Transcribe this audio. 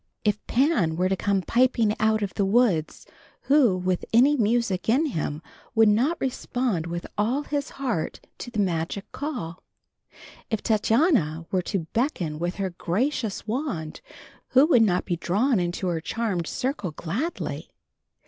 If Pan were to come piping out of the woods, who, with any music in him, would not respond with all his heart to the magic call? If Titania were to beckon with her gracious wand, who would not be drawn into her charmèd circle gladly?